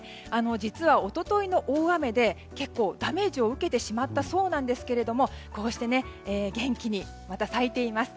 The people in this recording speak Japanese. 実は、一昨日の大雨で結構ダメージを受けてしまったそうなんですけどこうして元気に咲いています。